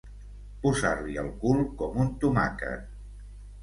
Posar-li el cul com un tomàquet.